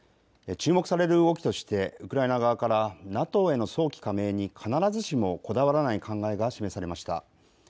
注目される動きとしてウクライナ側からＮＡＴＯへの早期加盟に必ずしもこだわらない考えが示されました。